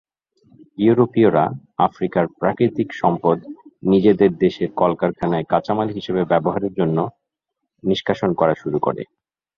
ইউরোপীয়রা আফ্রিকার প্রাকৃতিক সম্পদ নিজেদের দেশের কলকারখানায় কাঁচামাল হিসেবে ব্যবহারের জন্য নিষ্কাশন করা শুরু করে।